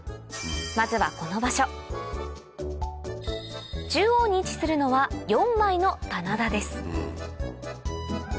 まずはこの場所中央に位置するのは４枚の棚田です